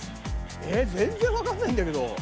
えっ全然わかんないんだけど。